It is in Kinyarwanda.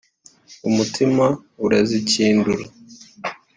umutima urazikindura